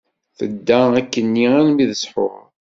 Tedda akkenni armi d ṣṣḥur.